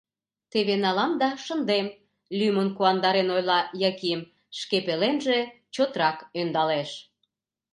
Теве налам да шындем, — лӱмын куандарен ойла Яким, шке пеленже чотрак ӧндалеш.